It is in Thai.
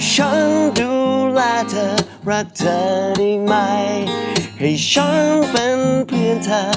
ขอต้อนรับผู้ใจในฝันของเราค่ะ